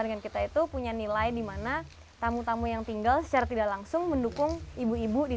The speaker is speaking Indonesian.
dengan kita itu punya nilai dimana tamu tamu yang tinggal secara tidak langsung mendukung ibu ibu di